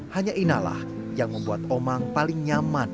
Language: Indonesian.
hanya inalah yang membuat omang paling nyaman